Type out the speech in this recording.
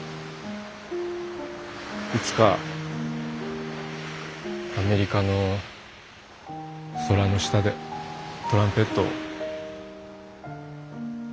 いつかアメリカの空の下でトランペットを。